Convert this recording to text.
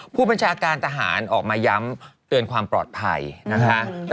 ผู้บัญชาการทหารออกมาย้ำเตือนความปลอดภัยนะคะ